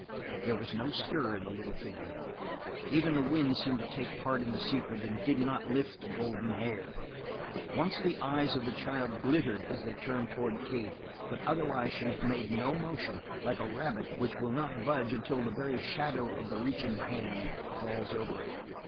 There was no stir in the little figure. Even the wind seemed to take part in the secret and did not lift the golden hair. Once the eyes of the child glittered as they turned toward Kate, but otherwise she made no motion, like a rabbit which will not budge until the very shadow of the reaching hand falls over it.